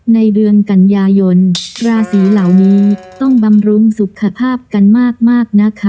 ในเดือนกันยายนราศีเหล่านี้ต้องบำรุงสุขภาพกันมากนะคะ